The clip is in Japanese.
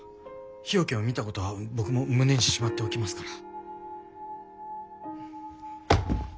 日置を見たことは僕の胸にしまっておきますから。